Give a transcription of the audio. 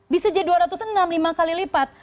bisa jadi dua ratus enam lima kali lipat